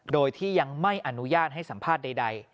โดยที่ยังไม่อนุญาตให้สัมภาษณ์ใด